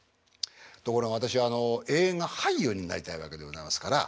ところが私は映画俳優になりたいわけでございますから。